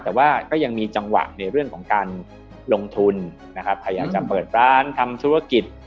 แต่ว่าก็ยังมีจังหวะในเรื่องของการลงทุนนะครับพยายามจะเปิดร้านทำธุรกิจ